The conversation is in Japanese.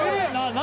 何？